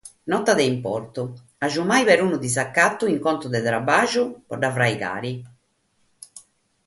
Nota de importu: agiumai perunu disacatu, in contu de traballu pro la fraigare.